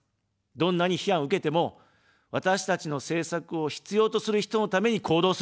どんなに批判を受けても、私たちの政策を必要とする人のために行動する。